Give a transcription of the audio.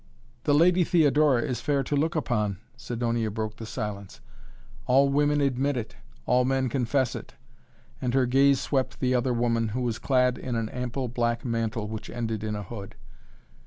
"The Lady Theodora is fair to look upon," Sidonia broke the silence. "All women admit it; all men confess it." And her gaze swept the other woman, who was clad in an ample black mantle which ended in a hood.